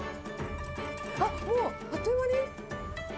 あっ、もうあっという間に。